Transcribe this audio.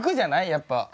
やっぱ。